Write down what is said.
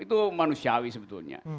itu manusiawi sebetulnya